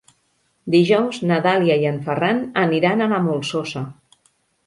Dijous na Dàlia i en Ferran aniran a la Molsosa.